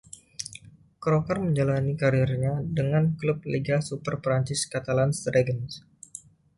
Croker menjalani kariernya dengan klub Liga Super Perancis, Catalans Dragons.